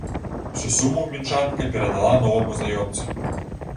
Усю суму мінчанка перадала новаму знаёмцу.